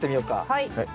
はい。